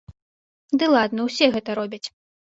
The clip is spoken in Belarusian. Ды ладна, усе гэта робяць.